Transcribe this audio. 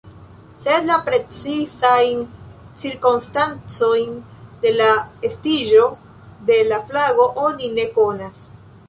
Sed la precizajn cirkonstancojn de la estiĝo de la flago oni ne konas.